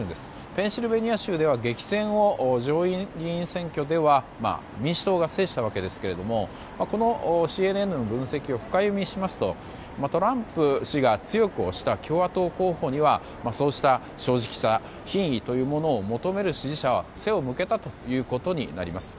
ペンシルベニア州では激戦を上院議員選挙では民主党が制したわけですがＣＮＮの分析を深読みしますとトランプ氏が強く推した共和党候補にはそうした正直さ品位というものを求める支持者は背を向けたということになります。